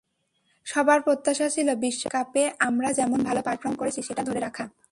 সবার প্রত্যাশা ছিল বিশ্বকাপে আমরা যেমন ভালো পারফর্ম করেছি, সেটা ধরে রাখা।